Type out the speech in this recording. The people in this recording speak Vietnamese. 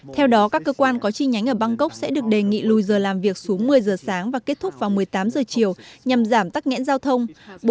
theo đó các cơ quan có chi nhánh ở bangkok sẽ được đề nghị lùi giờ làm việc xuống một mươi giờ sáng và kết thúc vào một mươi tám giờ chiều nhằm giảm tắc nghẽn giao thông